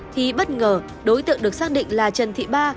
thì bất ngờ đối tượng được xác định là trần thị ba